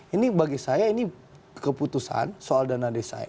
ini bagi saya ini keputusan soal dana desa